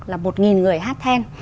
là một nghìn người hát then